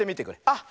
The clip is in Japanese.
あっ！